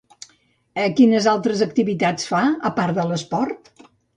Quines altres activitats fa a part d'esport?